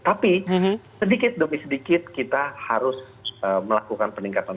tapi sedikit demi sedikit kita harus melakukan peningkatan